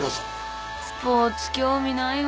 スポーツ興味ないわ。